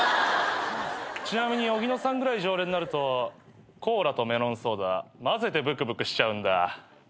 ちなみに荻野さんぐらい常連になるとコーラとメロンソーダ混ぜてブクブクしちゃうんだ。